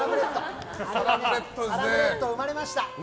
サラブレッド生まれました。